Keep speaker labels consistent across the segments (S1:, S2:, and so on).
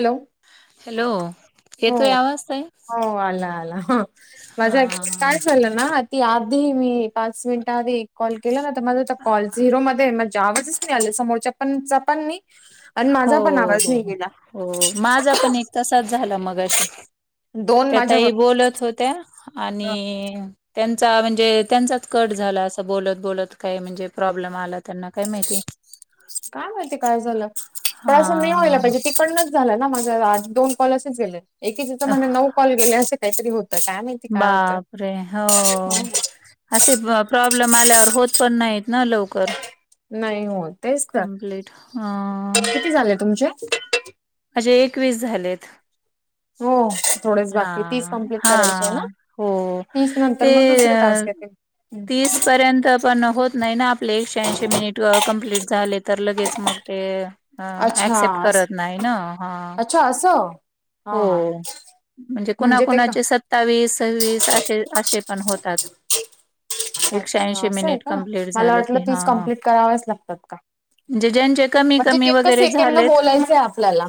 S1: Hello
S2: hello
S1: हो.
S2: येतोय आवाज ताई
S1: हो आला आला माझं
S2: हा
S1: काय झालं ना ती आधी मी पाच मिनिटांआधी एक कॉल केला ना तर माझं तर कॉल झिरो मध्ये [unintelligible] म्हणजे आवाजच नाही आला समोरच्या पणचा पण नाही आणि
S2: हो
S1: माझा पण आवाज
S2: हो
S1: नाही गेला.
S2: हो माझा पण एक तसाच झाला मगाशी
S1: दोन
S2: त्या
S1: माझ्या
S2: ताई
S1: बरोबर
S2: बोलत होत्या आणि त्यांचा म्हणजे त्यांचाच कट झाला असं बोलत बोलत काय म्हणजे प्रॉब्लेम आला त्यांना काय माहिती?
S1: काय माहिती काय झालं पण असं नाही व्हायला
S2: हा
S1: पाहिजे तिकडनं झालं ना माझे आज दोन कॉल असेच गेले. एकेकाचा म्हणे नऊ कॉल गेले असे काहीतरी होतं काय माहिती काय होतं.
S2: बापरे हो असे प्रॉब्लेम आल्यावर होत पण नाहीत ना लवकर.
S1: नाही होत तेच तर.
S2: कंप्लीट अ माझे
S1: किती झाले तुमचे?
S2: माझे एकवीस झालेत.
S1: हो थोडेच
S2: हा
S1: बाकी तीस कम्प्लीट
S2: हा
S1: करायचे ना
S2: हो
S1: तीस नंतर
S2: ते
S1: मग दुसरे
S2: अह
S1: टास्क येतील. हम्म.
S2: तीस पर्यंत पण होत नाही ना आपले एकशे ऐंशी मिनिट कंम्प्लीट झाले तर लगेच मग ते
S1: अच्छा
S2: ऍक्सेप्ट
S1: अस
S2: करत नाही ना हा.
S1: अच्छा असं. हा
S2: हो
S1: हा.
S2: म्हणजे
S1: म्हणजे ते का
S2: कोणाकोणाचे सत्तावीस सव्वीस अशे अशे पण होतात. एकशे
S1: अच्छा
S2: ऐंशी
S1: असं आहे
S2: मिनिट
S1: का
S2: कंप्लीट
S1: मला
S2: झाले की
S1: वाटलं
S2: हा.
S1: तीच कंप्लीट कराव्याच लागतात का?
S2: म्हणजे ज्यांचे कमी
S1: म्हणजे
S2: कमी
S1: तितकं
S2: वगैरे
S1: सेकंद
S2: झालेत
S1: बोलायचंय आपल्याला.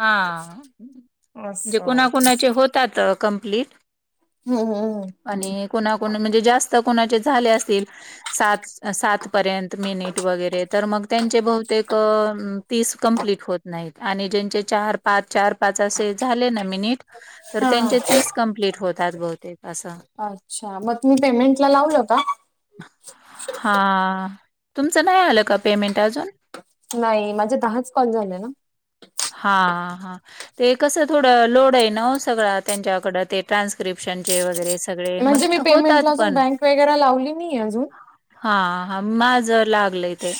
S2: हा. म्हणजे
S1: असं.
S2: कुणाकुणाचे होतात कंप्लीट
S1: हम्म हम्म हम्म.
S2: आणि कोणाकोण म्हणजे जास्त कोणाचे झाले असतील सात सातपर्यंत मिनिट वगैरे तर मग त्यांचे बहुतेक तीस कंप्लीट होत नाहीत. आणि ज्यांचे चार, पाच, चार. पाचे झाले ना मिनिट तर
S1: हा
S2: त्यांचे तीस कंप्लीट होतात. बहुतेक असं
S1: अच्छा मग तुम्ही पेमेंट ला लावल का?
S2: हा तुमचं नाही आलं का? पेमेंट अजून.
S1: नाही माझ्या दहाच कॉल झाले ना.
S2: हा हा. ते कसं थोडं लोड आहे ना सगळं त्यांच्याकड ते ट्रान्स्क्रिप्शनचे वगैरे. सगळे मग
S1: म्हणजे मी पेमेंटला
S2: होतात
S1: अजून
S2: पण
S1: बँक वगैरे लावली नाही अजून.
S2: हा हा माझ लागलंय ते.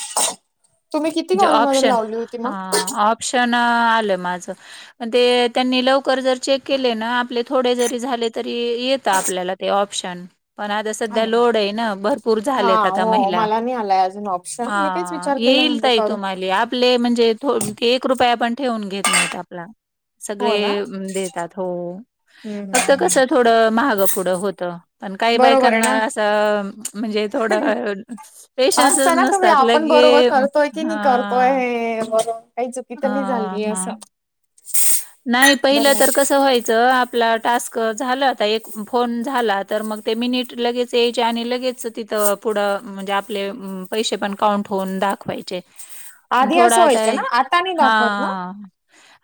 S1: तुम्ही किती
S2: म्हणजे
S1: कॉलमध्ये
S2: ऑप्शन,
S1: लावली होती मग?
S2: ऑप्शन आलं माझं. म्ह ते त्यांनी लवकर जर चेक केले ना आपले थोडे जरी झाले तरी येत आपल्याला. ते ऑप्शन पण आता सध्या लोड आहे ना भरपूर
S1: हा
S2: झालेत आता
S1: हो
S2: महिला.
S1: मला नाही आलाय अजून ऑप्शन. मी तेच
S2: हा
S1: विचार केला
S2: येईल
S1: म्हणजे
S2: ताई
S1: करू.
S2: तुम्हाला. आपले म्हणजे एक रुपये आपण ठेवून घेत नाहीत आपला.
S1: हो ना
S2: सगळे देतात हो
S1: हम्म
S2: फक्त
S1: हम्म हम्म
S2: कस थोडं महाग पुढं होत. पण काही
S1: बरोबर आहे
S2: बायकांना
S1: ना.
S2: अस म्हणजे थोड पेशन्स
S1: असतं ना
S2: नस
S1: कमी
S2: त्या
S1: आपण
S2: लागे
S1: बरोबर करतोय की नाही करतोय
S2: हा,
S1: हे बरोबर काही चुकी तर नाही
S2: हा,
S1: झाली
S2: हा.
S1: असं.
S2: नाही पहिलं
S1: बरोबर.
S2: तर कसं व्हायचं. आपला टास्क झालं आता एक फोन झाला तर मग ते मिनिट लगेच यायचे आणि लगेच तिथं- पुढं म्हणजे आपले पैसे पण काउंट होऊन दाखवायचे.
S1: आधी असं
S2: थोडा
S1: व्हायचं
S2: आताय
S1: ना आता नाही दाखवत ना.
S2: हा.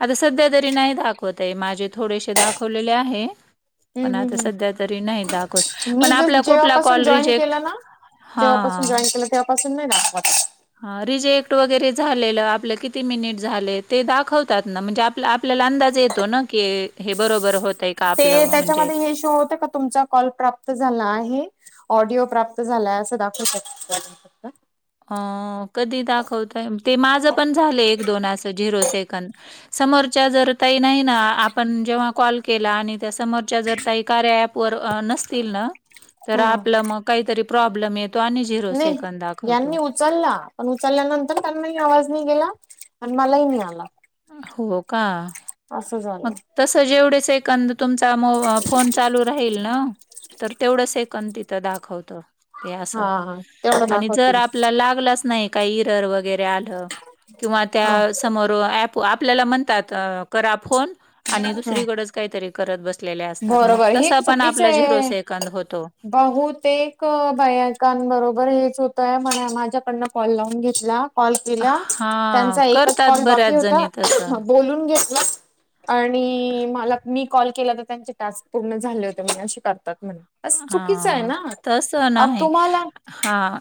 S2: आता सध्या तरी नाही दाखवत आहे माझे थोडेसे दाखवलेले आहे.
S1: हम्म
S2: पण आता
S1: हम्म हम्म.
S2: सध्या तरी नाही दाखवत
S1: मी
S2: पण
S1: ज
S2: आपला कुठला
S1: जेव्हापासून
S2: कॉल
S1: जॉईन
S2: रिजेक्ट-
S1: केलं ना जेव्हापासून
S2: हा
S1: जॉईन केलं तेव्हापासून नाही दाखवत.
S2: ह रिजेक्ट वगैरे झालेलं आपलं किती? मिनिट झाले ते दाखवतात. म्हणजे आप आपल्याला अंदाज येतो ना क हे बरोबर होतंय का
S1: ते
S2: आपलं म्हणजे
S1: त्याच्यामध्ये हे शो होत का? तुमचा. कॉल प्राप्त झाला आहे ऑडिओ प्राप्त झालाय अस दाखवू शकत फक्त.
S2: अ कधी दाखवतय ते माझं पण झालंय एक दोन असं झिरो सेकंड. समोरच्या जर ताई नाही ना आपण जेव्हा कॉल के आणि त्या समोरच्या जर का कार्या एप व नसतील ना तर आपलं मग- काहीतरी प्रॉब्लेम येतो आणि झिरो
S1: नाही
S2: सेकंद दाखवतो.
S1: यांनी उचलला पण उचलल्यानंतर त्यांना आवाज नाही गेला पण मलाही नि आला.
S2: हो का?
S1: अस
S2: मग
S1: झालं.
S2: तसं जेवढे सेकंद तुमचा फोन चालू राहील ना तर तेवढं सेकंद तिथं दाखवतो. ते
S1: हा
S2: असं
S1: हा तेवढं
S2: आणि जर
S1: दाखवतील
S2: आपला लागलाच नाही. काही इरर वगैरे आल किवा
S1: हा
S2: त्यासमोर एप आपल्याला म्हणतात करा फोन आणि
S1: हा
S2: दुसरीकडेच काहीतरी करत बसलेल्या असतात मग
S1: बरोबर हे
S2: तसा पण
S1: चुकीच
S2: आपला झिरो
S1: आहे
S2: सेकंद होतो.
S1: बहुतेक बायकांबरोबर हेच होतय म माझ्याकडनं कॉल लावून घेतला. कॉल केला
S2: हा
S1: त्यांचा एकच
S2: करतात
S1: कॉल
S2: बऱ्याच
S1: बाकी होता
S2: जणी तसं
S1: बोलून घेतला. आणि मला मी कॉल केला तर त्यांचे टास्क पूर्ण झाले होते म असे करतात म्हणे. अस चुकीचं आहे
S2: हा
S1: ना,
S2: तसं
S1: अ
S2: नाही
S1: तुम्हाला.
S2: हा,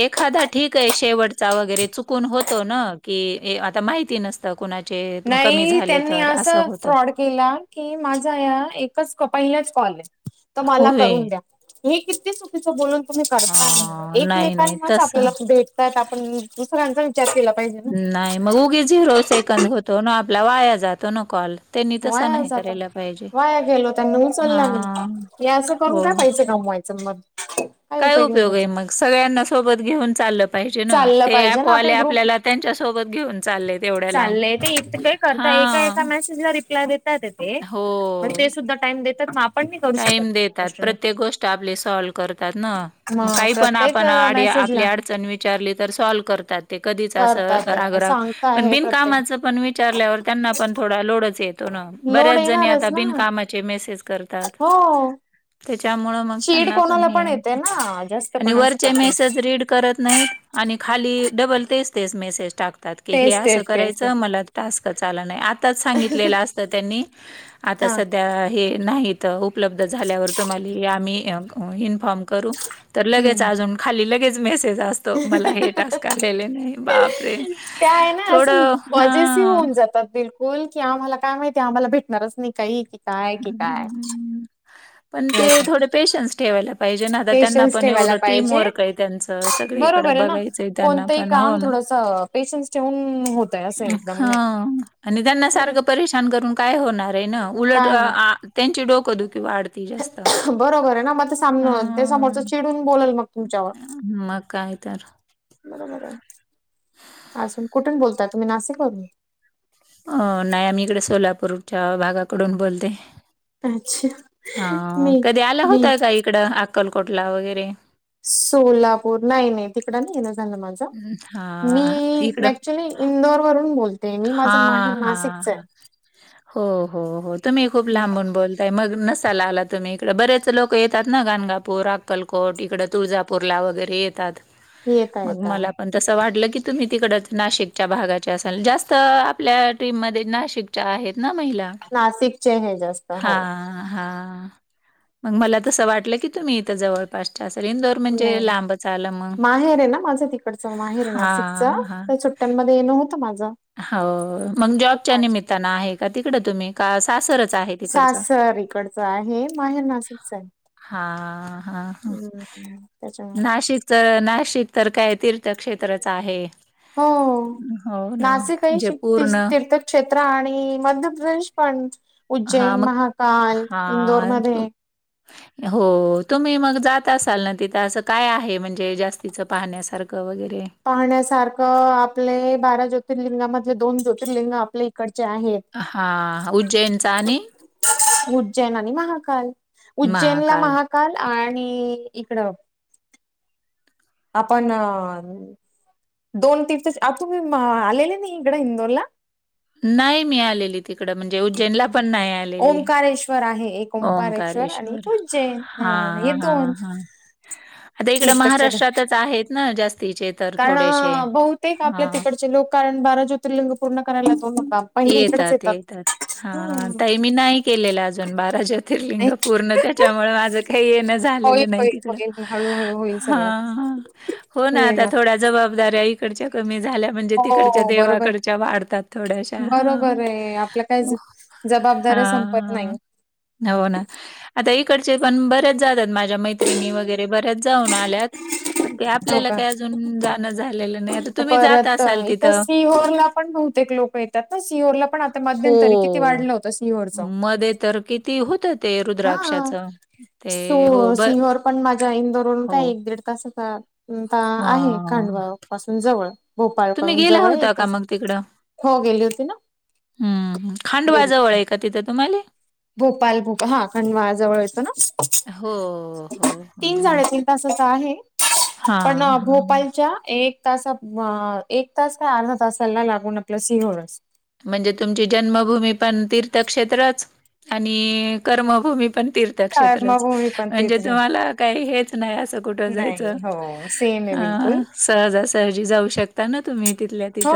S2: एखादा ठीक आहे शेवटचा वगैरे चुकून होतो ना की, ये आता माहिती नसत. कुणाचे कमी झाले तर असं होतं.
S1: गेला की माझा या एकच पहिलाच कॉल आहे तर मला
S2: होय.
S1: करून द्या. हे किती चुकीचं बोलून तुम्ही करताय
S2: हां, नाही, नाही
S1: एकमेकांनाच
S2: तसं
S1: आपल्याला भे ''--'' टायला आपण दुसऱ्यांच. चार तिला पाहिजे. ना
S2: नाही मग उगी झिरो सेकंद होतो ना आपल्या वाया जातो ना कॉल. त्यांनी तसं
S1: वाया
S2: नाही
S1: जात
S2: करायला पाहिजे.
S1: वाया गेलो त्यांना उचलला मी
S2: हां,
S1: हे असं करून
S2: हो.
S1: का पाहिजे. दमवायचं मग. काही
S2: काय
S1: नाही
S2: उपयोग आहे
S1: त्याचा
S2: मग सगळ्यांना सोबत घेऊन चाललं पाहिजे ना
S1: चाललं
S2: ते
S1: पाहिजे ना
S2: ऍपवाले
S1: आपले ग्रुप
S2: आपल्याला. त्यांच्यासोबत घेऊन. चालय तेवढ.
S1: चाललंय ते एक काही करता एका एका मेसेजला रिप्लाय देत. तात
S2: हो.
S1: ते सुद्धा टाइम देतात मग आपण मी करू शकत नाही या गोष्टीला.
S2: ते आपले सॉल्व करतातना मग काही पण
S1: प्रत्येक
S2: आपण आडी आपली
S1: मेसेजला
S2: अडचण विचा ''--'' रले तर सॉल्व करतात ते कधीच आस
S1: करतात
S2: राग
S1: हे
S2: राग
S1: सांगता
S2: पण
S1: हे प्रत्येक
S2: बिनकामाच पण वि ''--'' चारल्यावर त्यांना पण थोडा लोडच येतो ना,
S1: लोड
S2: बऱ्याचजणी आता
S1: येणारच ना
S2: बिनकामाच्या. चे मेसेज करतात
S1: हो
S2: त्याच्यामुळं. मग
S1: चीड
S2: त्यांना पण
S1: कोणाला
S2: हे
S1: येते
S2: होत
S1: ना जास्त
S2: आणि
S1: पण असं
S2: वरचे
S1: करत
S2: मेसेज रीड. करत नाहीत आणि खाली डबल तेच तेच मेसेज टाकतात की हे
S1: तेच
S2: असं
S1: तेच तेच तेच
S2: करायचं मला ते, टास्क च आला नाही आताच सांगितलेलं असतं त्यांनी आता
S1: हा
S2: सध्या हे नाहीत. त उपलब्ध झाल्यावर तुम्हाला आम्ही इन्फॉर्म करू तर लगेच
S1: हम्म
S2: अजून, खाली लगेच मेसेज असतो मला हे टास्क आलेले नाही बाप ''--''
S1: त्या आहे ना असं पझेसिव्ह
S2: हां
S1: होऊन जातात बिल ''--'' बोल की आम्हाला काय माहितीय आम्हाला भेटणारच नाही काही. काय कि काय
S2: पण ते थोडे पेशन्स ठेवायला. पाहिजे ना आता त्यांना
S1: पेशन्स
S2: पण
S1: ठेवायला
S2: एवढं टीम
S1: पाहिजे
S2: वर्क आहे त्यांचं सगळी इकडं बघायचंय त्यांना पण हो ना.
S1: अ पेशन्स ठेवून बोल.
S2: हा आणि त्यांना
S1: बरोबर
S2: सारखं परेशान करून काय होणार आहे ना उलट
S1: काय
S2: अ
S1: म्हणा
S2: आ ''--'' त्यांची डोकेदुखी वाढ ''--'' ते जास्त
S1: बरोबर आहे ना मग ते
S2: ह,
S1: सामन ते समोरच चिडून बोलेल मग तुमच्यावर
S2: मग काय. तर.
S1: बरोबर आहे. अजून कुठून बोलता तुम्ही नाशिक हुन.
S2: अ नाही मी इकडे सोलापूरच्या भागाकडून बोलते.
S1: अच्छा
S2: हा
S1: मी
S2: कधी आला
S1: मी
S2: होताय का इकड अक्कलकोटला वगैरे.
S1: सोलापूर नाही नाही तिकड नाही येण झालं माझं
S2: हं,
S1: मी
S2: हां.
S1: ऍक्च्युली इंदोर वरून बोल ''--''
S2: हा हा हो हो हो, तुम्ही खूप
S1: आहे
S2: लांबून बोल ''--'' काय मग नसाला आला तुम्ही इकडे बरेच लोक येतात ना गणगापूर अक्कलकोट इकडडे तुळजापूर. पुरला वगैरे येतात.
S1: येता
S2: मग
S1: येता
S2: मला पण तस वाटलं की, तुम्ही तिकड नाशिकच्या भागाच्या असाल जास्त. तर आपल्या टीममध्ये नाशिकच्या आहेत ना महिला.
S1: नाशिकचे हे जास्त
S2: हा
S1: हो
S2: हा, मग मला तसं वाटलं की तुम्ही इथं जवळपासच्या इंदौर-
S1: नाही नाही माहेर आहे, ना माझं तिकडचं माहेर ना नाशिकच.
S2: हां, हां.
S1: फलटण मध्ये नव्हतं माझं.
S2: हो मग जॉबच्या निमित्तानं आहे का तिकडं तुम्ही? का सासरच आहे तिकडचं?
S1: सासर इकडचं आहे माहेर नाशिकच आहे.
S2: हा हा हा
S1: हम्म त्याच्यामुळे
S2: नाशिक, तर नाशिक तर काय तीर्थक्षेत्रच आहे. हो ना जे
S1: काही
S2: पूर्ण
S1: तीर्थक्षेत्र आणि मध्य प्रदेश पण,
S2: हा
S1: उज्जैन महाकाल इंदोरमध्ये.
S2: ह [inaudible] हो तुम्ही मग जात असाल ना तिथं असं काय आहे म्हणजे जास्तीच पाहण्यासारखं वगैरे.
S1: पाहण्यासारखं आपले बारा ज्योतिर्लिंगामधले दोन ज्योतिर्लिंग आपल्या इकडचे आहेत.
S2: हां उज्जैनचा आणि
S1: उज्जैन आणि महाकाल उज्जैनला
S2: महाकाल
S1: महाका- काल आणि इकडं आपण दोन तिथच आ तुम्ही आलेले नाही इकडं इंदोरला?
S2: नाही मी आलेली तिकडं म्हणजे उज्जैनला पण नाही आले.
S1: ओंकारेश्वर आहे एक ओंकारेश्वर आणि एक उज्जैन हा हे
S2: हा
S1: दोन.
S2: हा आता इकडं
S1: तीर्थक्षेत्र
S2: महाराष्ट्रातच आहेत ना जास्तीचे तर थोडेसे
S1: कारण बहुतेक आपल्या
S2: हा
S1: तिकडचे लोक कारण बारा ज्योतिर्लिंग पूर्ण करायला ला तो काम-
S2: येतात येतात हा ताई मी नाही केलेलं अजून बारा ज्योतिर्लिंग. ज्योतिर्लिंग पूर्ण त्याच्यामुळे माझं काही येणं
S1: होईल
S2: झालेलं नाही.
S1: होईल होईल हळूहळू होईल सगळं.
S2: हां, हां. हो ना
S1: वेळ
S2: आता
S1: लागतो.
S2: थोड्या जबाबदाऱ्या इकडच्या कमी झाल्या. म्हणजे तिकडच्या
S1: हो बरोबर.
S2: देवाकडच्या वाढतात थोड्याशा
S1: बरोबर
S2: ह-
S1: आहे आपल्या काय जबाबदाऱ्या संपत नाही
S2: हा होऊ ना आता इकडचे पण बऱ्याच जातात माझ्या मैत्रिणी, वगैरे बऱ्याच जाऊन आल्यात. पण ते
S1: हो
S2: आपल्याला
S1: का.
S2: काही अजून जाणं झालेलं नाही. आता तुम्ही जात
S1: परत
S2: असाल
S1: इथं
S2: तिथं-
S1: सिहोरला पण बहुतेक लोक येतात ना सिहोरला पण आता मध्यंतरी किती वाढलं होतं सिहोर चं
S2: मध्येतर किती. होतं ते
S1: हा
S2: रुद्राक्षाचं.
S1: सो
S2: ते हो, ब
S1: सिंहर पण माझ्या इंदोर वरून काय
S2: हो.
S1: एक दीड- कसं का ता आहे
S2: हां.
S1: खांडवा पासून जवळ
S2: तुम्ही
S1: भोपाळकडून
S2: गेला
S1: जवळ एक
S2: होता
S1: ता-
S2: का
S1: हो गेली होती ना.
S2: हम्म खांडवा
S1: गेली
S2: जवळ आहे का तिथं तुम्हाले?
S1: भोपाल भोपाल हा खंडवा जवळ येतो ना,
S2: हो, हो,
S1: तीन
S2: हो.
S1: - तसच आहे पण
S2: हां, हां.
S1: भोपाळच्या एक- तास एक तास का अर्धा तासाला लागून आपला सिंहळच.
S2: म्हणजे तुमची जन्मभूमी पण तीर्थक्षेत्रच आणि कर्मभूमी पण- तीर्थक्षेत्र
S1: कर्मभूमी पण
S2: म्हणजे
S1: तेच
S2: तुम्हाला काही हेच नाही अस- कुठ
S1: नाही
S2: जायचं
S1: हो सेम आहे बिलकुल
S2: अ सहजासहजी जाऊ शकता ना तुम्ही तिथल्यात-
S1: हो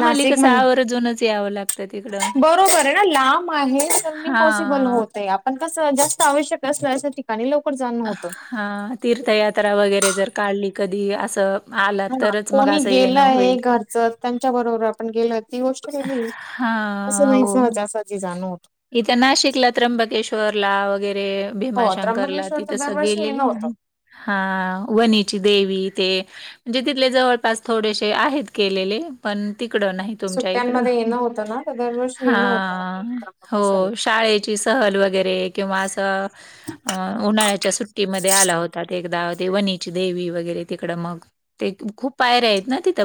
S1: नाशिक मध्ये.
S2: अजूनच यावं लागतं. त्या तिथं
S1: बरोबर आहे ना लांब आहे तर नाही पॉसिबल
S2: हां.
S1: होत आहे. पण कसं जास्त आवश्यक असलं अशा ठिकाणी लवकर जाण होतं..
S2: हा तीर्थयात्रा वगैरे जर काढली कधी असं आला तरच मग असं येणं होईल
S1: जर त्यांच्या बरोबर आपण गेल ती गोष्ट वेगळी असं
S2: हां,
S1: नाही
S2: हो.
S1: सहजासहजी जाण होतं..
S2: इथं नाशिकला त्र्यंबकेश्वरला वगैरे
S1: हो
S2: भीमाशंकरला
S1: त्र्यंबकेश्वर तर
S2: तिथंस
S1: दरवर्षी येणं
S2: गेलेली
S1: होतं.
S2: आहे हा वणीची देवी ते म्हणजे तिथले जवळपास थोडेसे आहेत केलेले पण तिकडं नाही तुमच्या
S1: सुट्ट्यांमध्ये येणं होतं ना तर दरवर्षी येणं होतं
S2: हा हो
S1: त्र्यंबकेश्वरला.
S2: शाळे ची सहल वगैरे किंवा असं अं उन्हाळ्याच्या सुट्टीमध्ये आला होता ते एकदा ते वणीची देवी वगैरे तिकडं मग ते खूप पायऱ्या आहेत ना तिथ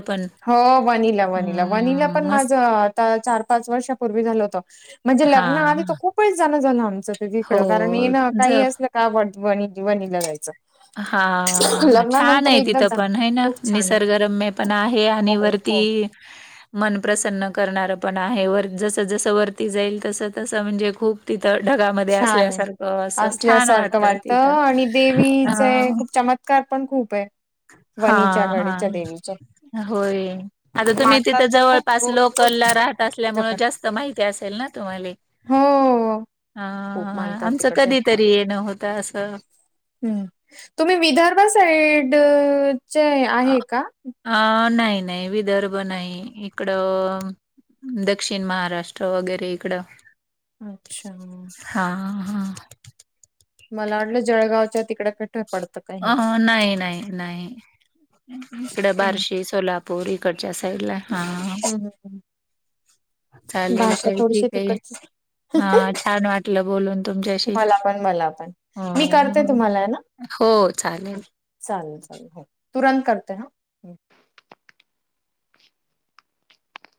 S1: हो वनिला वनिला वनिला पण माझ
S2: मस्त
S1: चार पाच वर्षापूर्वी झालं होत म्हणजे लग्नआधी त
S2: हां,
S1: खूप वेळेस जाण झालं आमचं तिकडं कारण हे
S2: हो.
S1: ना
S2: ज
S1: काही असलं का व वणी लगायचं
S2: हा छान आहे
S1: एकदा
S2: तिथं
S1: जाण
S2: पण है ना
S1: खूप छान आहे.
S2: निसर्गरम पण आहे हे
S1: हो
S2: आणि वरती
S1: हो.
S2: मन प्रसन्न करणारं पण आहे वर जसं जसं वरती जाईल तस तसं म्हणजे खूप तिथं ढगामध्ये
S1: छान आहे.
S2: असल्यासारखं असं छान
S1: असल्यासारखं
S2: वाटत
S1: वाटतं
S2: तिथं
S1: आणि
S2: अ,
S1: देवीच खूप चमत्कार पण खूप आहे वणीच्या
S2: हां, हां.
S1: गडीच्या देवीच्या
S2: होय आता तुम्ही
S1: मानतात
S2: तिथं
S1: पण खूप
S2: जवळपास
S1: दूर दूरून
S2: लोकल ला
S1: लोक येतात.
S2: राहत
S1: तिथं
S2: असल्यामुळे
S1: पण
S2: जास्त माहिती असेल ना तुम्हाला
S1: हो खूप
S2: हा
S1: मानतात
S2: आमचं
S1: तिकडच्या
S2: कधी तरी येणं होत असं
S1: ह् तुम्ही विदर्भ साईडचे
S2: अ
S1: आहे का?
S2: अ नाही नाही विदर्भ नाही इकडं दक्षिण महाराष्ट्र वगैरे इकडं
S1: अच्छा!
S2: हां हां हा..
S1: मला वाटलं जळगावच्या तिकड तिकडं पडते ते
S2: अ नाही नाही नाही इकड बारशीस सोलापूर इकडच्या साईडला हा चालेल
S1: भाषा
S2: तर ठीक
S1: थोडीशी
S2: आहे
S1: तिकडची
S2: हा छान वाटलं बोलून तुमच्याशी..
S1: मला पण मला पण. मी करते
S2: हो..
S1: तुम्हाला ना.
S2: हो चालेल..
S1: चालेल चालेल हो तुरंत करते हा